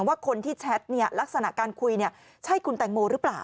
ว่าคนที่แชทลักษณะการคุยใช่คุณแตงโมหรือเปล่า